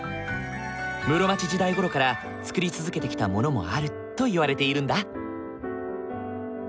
室町時代ごろから作り続けてきたものもあるといわれているんだ。